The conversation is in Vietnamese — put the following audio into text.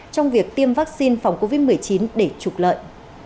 trong việc tiêm vaccine phòng covid một mươi chín để trục lợi